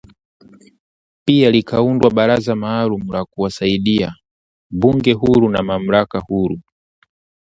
Pia likaundwa Baraza maalumu la kuwasaidia, bunge huru na mahakama huru